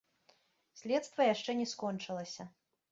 Следства яшчэ не скончылася.